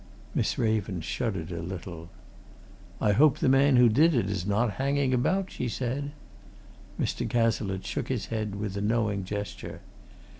Miss Raven shuddered a little. "I hope the man who did it is not hanging about!" she said. Mr. Cazalette shook his head with a knowing gesture.